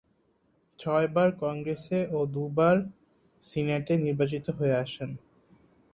ছয়বার কংগ্রেসে ও দুইবার সিনেটে নির্বাচিত হয়ে আসেন।